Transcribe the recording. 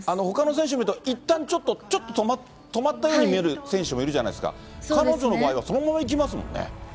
ほかの選手見ると、いったんちょっと、ちょっと止まったように見える選手もいるじゃないですか、彼女の場合はそのままいきますもんね。